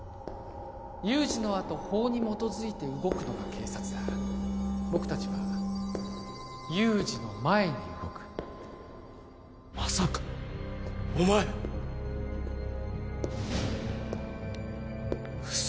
有事のあと法に基づいて動くのが警察だ僕達は有事の前に動くまさかお前嘘